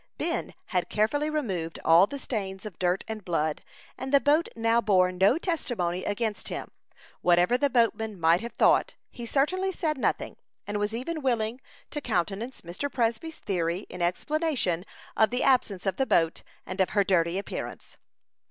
Ben had carefully removed all the stains of dirt and blood, and the boat now bore no testimony against him. Whatever the boatman might have thought, he certainly said nothing, and was even willing to countenance Mr. Presby's theory in explanation of the absence of the boat, and of her dirty appearance.